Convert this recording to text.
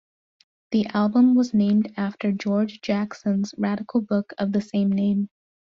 The album was named after George Jackson's radical book of the same name.